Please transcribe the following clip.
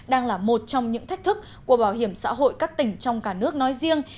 đang là một trong những thách thức của bảo hiểm xã hội các tỉnh trong cả nước nói riêng